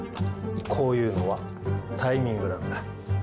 こういうのはタイミングなんだ。